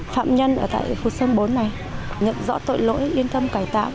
phạm nhân ở tại khu sơn bốn này nhận rõ tội lỗi yên tâm cải tạo